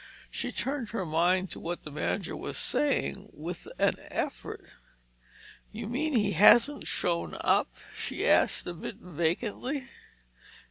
She turned her mind to what the manager was saying with an effort. "You mean he hasn't shown up?" she asked a bit vacantly.